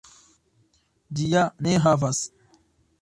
Ĝi ja ne havas!